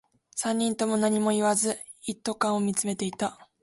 三人とも何も言わず、一斗缶を見つめていた